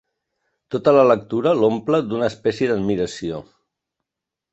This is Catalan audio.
Tota la lectura l'omple d'una espècie d'admiració.